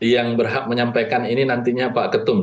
yang berhak menyampaikan ini nantinya pak ketum